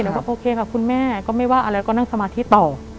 ก็โอเคค่ะคุณแม่ก็ไม่ว่าอะไรก็นั่งสมาธิต่อ